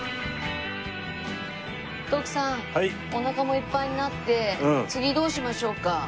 徳さんおなかもいっぱいになって次どうしましょうか？